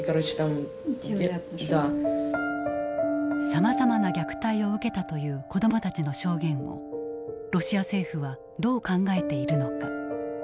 さまざまな虐待を受けたという子どもたちの証言をロシア政府はどう考えているのか。